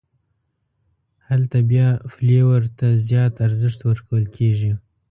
هلته بیا فلېور ته زیات ارزښت ورکول کېږي.